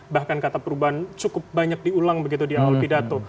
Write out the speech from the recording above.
bahkan kata perubahan cukup banyak diulang begitu di awal pidato